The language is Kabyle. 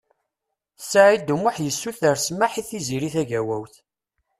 Saɛid U Muḥ yessuter smeḥ i Tiziri Tagawawt.